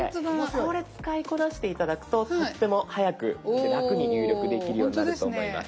これ使いこなして頂くととっても早く楽に入力できるようになると思います。